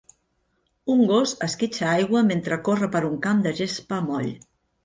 Un gos esquitxa aigua mentre corre per un camp de gespa moll.